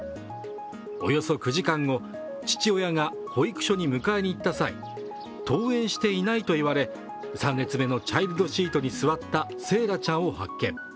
およそ９時間後、父親が保育所に迎えに行った際、登園していないと言われ、３列目のチャイルドシートに座った惺愛ちゃんを発見。